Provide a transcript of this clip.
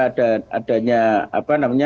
apalagi dengan adanya sosial media dan media